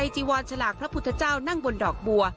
จีวอนฉลากพระพุทธเจ้านั่งบนดอกบัว